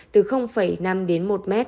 từ năm đến một m